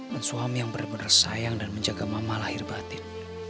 dan suami yang bener bener sayang dan menjaga mama lahir batin